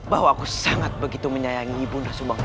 bahwa aku sangat begitu menyayangi ibu nda sumbangkali